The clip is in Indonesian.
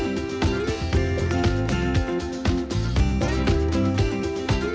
buat kacamata ya rita